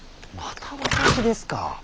また私ですか。